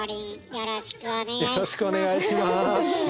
よろしくお願いします。